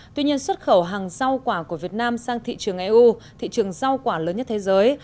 tuy nhiên xuất khẩu hàng rau quả của việt nam sang thị trường eu thị trường rau quả lớn nhất thế giới